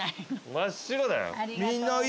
真っ白だよ。